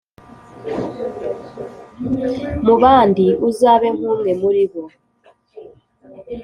mu bandi, uzabe nk’umwe muri bo,